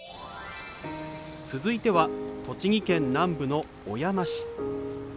続いては栃木県南部の小山市。